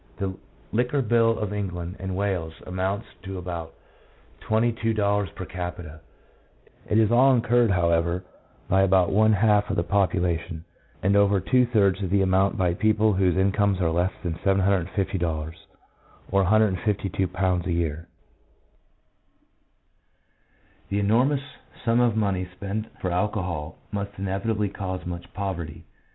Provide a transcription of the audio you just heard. The liquor bill of England and Wales amounts to about twenty two dollars per capita. It is all incurred, however, by about one half of the population, and over two thirds of the amount by people whose incomes are less than $750 (^152) a year." The enormous sum of money spent for alcohol must inevitably cause much poverty.